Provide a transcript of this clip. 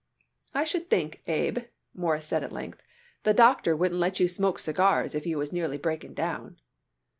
"I should think, Abe," Morris said at length, "the doctor wouldn't let you smoke cigars if you was nearly breaking down."